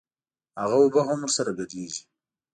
هغه اوبه هم ورسره ګډېږي.